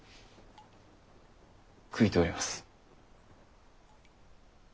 悔いております。